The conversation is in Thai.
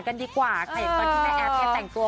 กันดีกว่าตอนที่แม่แอปแอบแต่งตัว